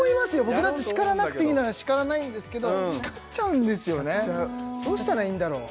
僕だって叱らなくていいなら叱らないんですけど叱っちゃうんですよねどうしたらいいんだろう？